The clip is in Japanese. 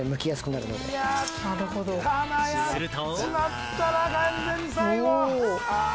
すると。